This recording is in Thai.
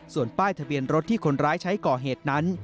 ส่วนป้ายทะเบียนรถที่คนร้ายใช้ก่อเหตุนั้น